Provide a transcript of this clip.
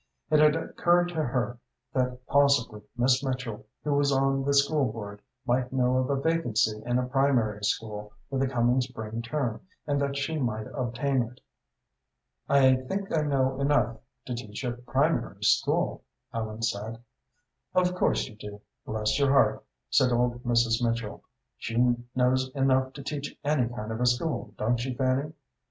It had occurred to her that possibly Miss Mitchell, who was on the school board, might know of a vacancy in a primary school for the coming spring term, and that she might obtain it. "I think I know enough to teach a primary school," Ellen said. "Of course you do, bless your heart," said old Mrs. Mitchell. "She knows enough to teach any kind of a school, don't she, Fanny?